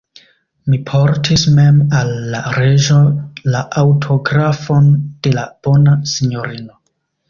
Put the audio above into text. Mi portis mem al la reĝo la aŭtografon de la bona sinjorino.